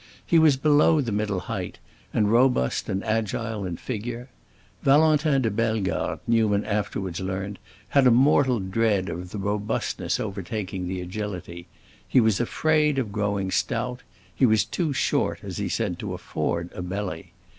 He was below the middle height, and robust and agile in figure. Valentin de Bellegarde, Newman afterwards learned, had a mortal dread of the robustness overtaking the agility; he was afraid of growing stout; he was too short, as he said, to afford a belly.